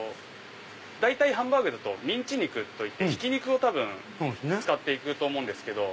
大体ハンバーグだとミンチ肉といってひき肉を多分使って行くと思うんですけど。